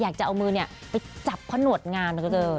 ก็คือเนี่ยไปจับข้าวหนวดงานเหลือเกิน